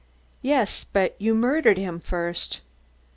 "Yes, but you murdered him first."